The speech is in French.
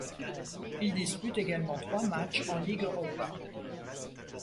Il dispute également trois matchs en Ligue Europa.